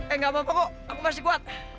eh nggak apa apa ko aku masih kuat